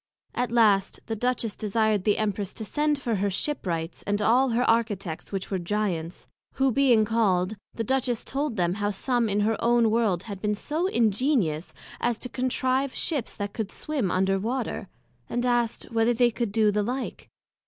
At last the Duchess desired the Empress to send for her Ship wrights, and all her Architects, which were Giants; who being called, the Duchess told them how some in her own World had been so ingenious, as to contrive Ships that could swim under Water, and asked, Whether they could do the like?